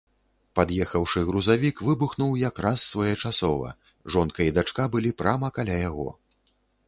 Пад'ехаўшы грузавік выбухнуў як раз своечасова, жонка і дачка былі прама каля яго.